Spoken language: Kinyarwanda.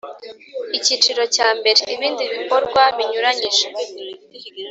Icyiciro cya mbere Ibindi bikorwa binyuranyije